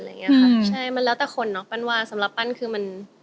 ใช่ค่ะใช่มันแล้วแต่คนเนาะปั้นว่าสำหรับปั้นคือมัน